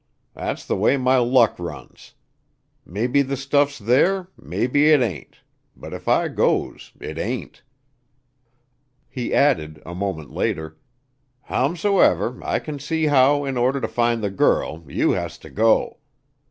Thet's th' way m' luck runs. Maybe th' stuff's there, maybe it ain't; but if I goes, it ain't." He added, a moment later: "Howsomever, I can see how, in order to find the girl, you has to go.